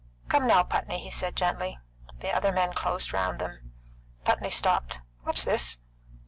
"Come now, Putney," he said gently. The other men closed round them. Putney stopped. "What's this?